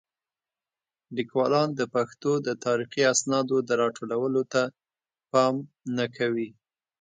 لیکوالان د پښتو د تاریخي اسنادو د راټولولو ته پام نه کوي.